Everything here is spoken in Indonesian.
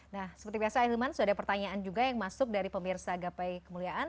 nah seperti biasa ahilman sudah ada pertanyaan juga yang masuk dari pemirsa gapai kemuliaan